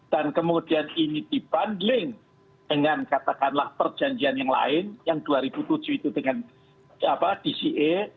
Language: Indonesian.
dan kemudian ini dibundling dengan katakanlah perjanjian yang lain yang dua ribu tujuh itu dengan apa dca